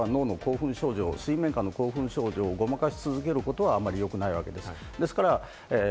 しかし根本的に片頭痛の場合は脳の興奮症状、水面下の興奮症状をごまかし続けることがあまりよくないわけです。